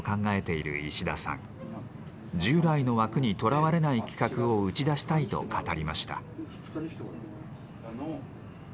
従来の枠にとらわれない企画を打ち出したいと語りました。